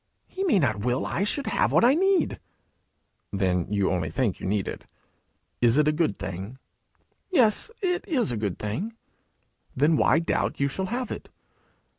'He may not will I should have what I need!' 'Then you only think you need it. Is it a good thing?' 'Yes, it is a good thing.' 'Then why doubt you shall have it?'